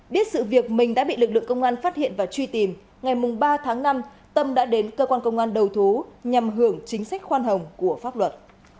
biết sự việc mình đã bị lực lượng công an phát hiện và truy tìm ngày ba tháng năm tâm đã đến cơ quan công an đầu thú nhằm hưởng chính sách khoan hồng của pháp luật